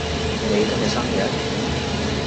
你今日生日？